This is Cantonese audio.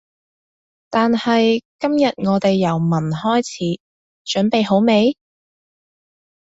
但係今日我哋由聞開始，準備好未？